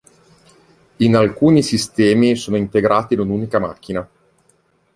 In alcuni sistemi sono integrate in un'unica macchina.